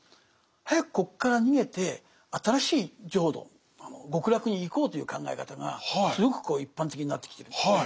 早くここから逃げて新しい浄土極楽に行こうという考え方がすごく一般的になってきてるんですね。